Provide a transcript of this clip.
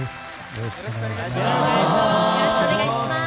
よろしくお願いします。